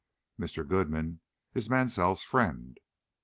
"Mr. Goodman is Mansell's friend."